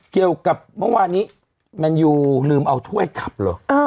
เกี่ยวกับเมื่อวานนี้แมนยูลืมเอาถ้วยขับเหรอ